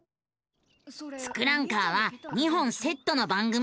「ツクランカー」は２本セットの番組。